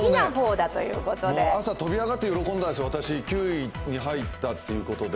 朝、飛び上がって喜んだんです私、９位に入ったということで。